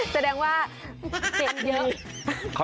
แสดงว่าเตรียมเยอะ